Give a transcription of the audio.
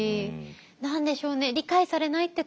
何でしょうね